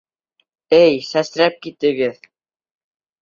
Эй, сәсрәп китегеҙ!..